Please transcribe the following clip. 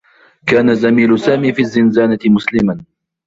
كان زميل سامي في الزّنزانة مسلما.